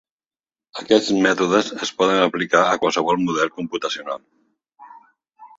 Aquests mètodes es poden aplicar a qualsevol model computacional.